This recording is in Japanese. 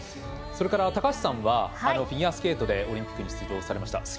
高橋さんはフィギュアスケートでオリンピックに出場されました。